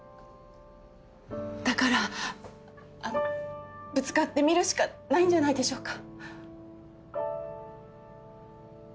だからあのぶつかってみるしかないんじゃないでしょうか。